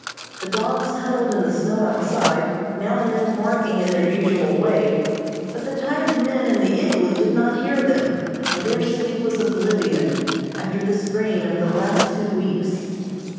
The dogs huddled in the snow outside, now and then barking in their usual way, but the tired men in the igloo did not hear them, for their sleep was oblivion, after the strain of the last two weeks.